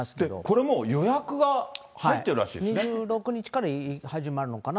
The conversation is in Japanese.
これもう、予約が入ってるら２６日から始まるのかな。